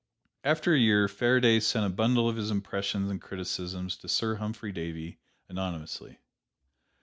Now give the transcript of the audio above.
After a year Faraday sent a bundle of his impressions and criticisms to Sir Humphry Davy anonymously.